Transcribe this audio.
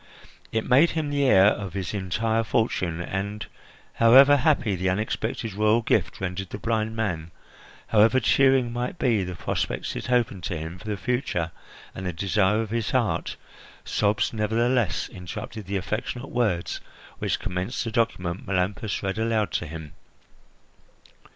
It made him the heir of his entire fortune and, however happy the unexpected royal gift rendered the blind man, however cheering might be the prospects it opened to him for the future and the desire of his heart, sobs nevertheless interrupted the affectionate words which commenced the document Melampus read aloud to him.